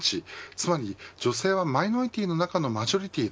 つまり女性はマイノリティーの中のマジョリティー。